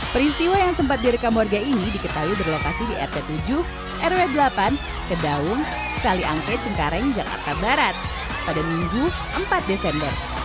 peristiwa yang sempat direkam warga ini diketahui berlokasi di rt tujuh rw delapan kedaung kaliangke cengkareng jakarta barat pada minggu empat desember